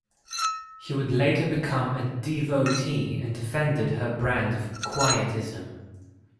He would later become a devotee and defended her brand of Quietism.